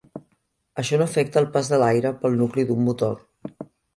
Això no afecta el pas de l'aire pel nucli d'un motor.